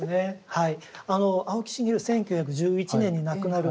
はい。